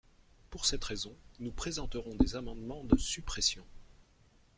Pour cette raison, nous présenterons des amendements de suppression.